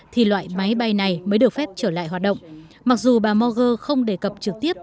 thì loại máy bay này mới được phép trở lại hoạt động mặc dù bà moger không đề cập trực tiếp